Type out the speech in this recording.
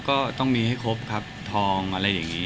ก็ต้องมีให้ครบครับทองอะไรอย่างนี้